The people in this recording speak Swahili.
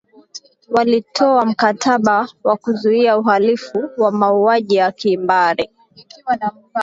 walitoa mkataba wa kuzuia uhalifu wa mauaji ya kimbari